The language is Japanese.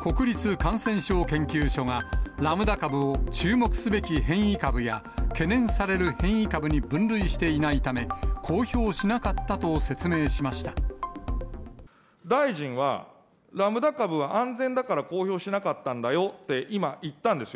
国立感染症研究所が、ラムダ株を注目すべき変異株や、懸念される変異株に分類していないため、大臣は、ラムダ株は安全だから公表しなかったんだよって今、言ったんですよ。